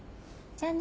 「じゃあね」